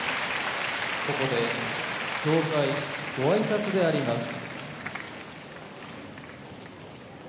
ここで協会ごあいさつであります。